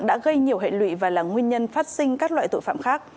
đã gây nhiều hệ lụy và là nguyên nhân phát sinh